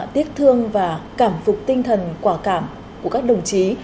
tiếc thương và cảm phục tinh thần quả cảm của các đồng chí